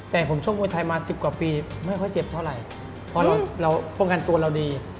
แต่ผมชกมวยไทยมา๑๐กว่าปีไม่ค่อยเจ็บเท่าไหร่เพราะเราป้องกันตัวเราดี